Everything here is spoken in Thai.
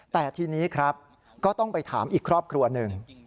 แต่ทีนี้ครับก็ต้องไปถามอีกครอบครัวหนึ่ง